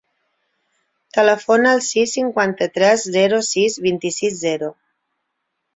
Telefona al sis, cinquanta-tres, zero, sis, vint-i-sis, zero.